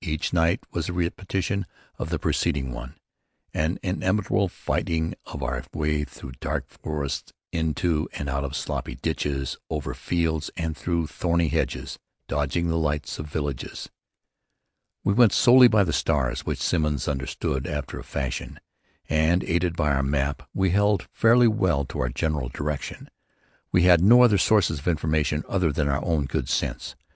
Each night was a repetition of the preceding one, an interminable fighting of our way through dark forests, into and out of sloppy ditches, over fields and through thorny hedges, dodging the lights of villages. We went solely by the stars, which Simmons understood after a fashion, and, aided by our map, we held fairly well to our general direction. We had no other sources of information than our own good sense.